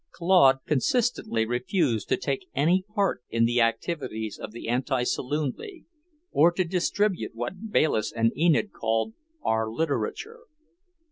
Claude consistently refused to take any part in the activities of the Anti Saloon League, or to distribute what Bayliss and Enid called "our literature."